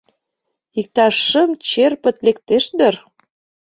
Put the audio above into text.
Иктаж шым черпыт лектеш дыр.